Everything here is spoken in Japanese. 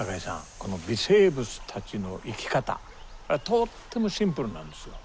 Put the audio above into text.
この微生物たちの生き方これはとってもシンプルなんですよ。